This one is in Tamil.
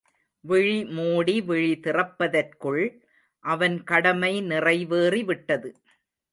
விழிமூடி விழி திறப்பதற்குள் அவன் கடமை நிறைவேறி விட்டது.